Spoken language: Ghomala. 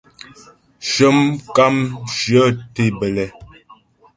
Shə́ mkàmshyə tě bə́lɛ.